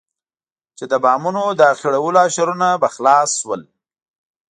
چې د بامونو د اخېړولو اشرونه به خلاص شول.